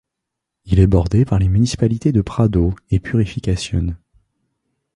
Il est bordé par les municipalités de Prado et Purificación.